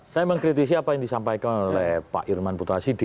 saya mengkritisi apa yang disampaikan oleh pak irman putra sidi